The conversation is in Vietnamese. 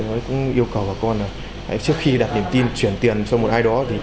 tôi yêu cầu các con trước khi đặt niềm tin chuyển tiền cho một ai đó